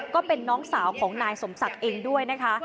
ก็เป็นน้องสาวของนายสมศักดิ์เองด้วยนะคะ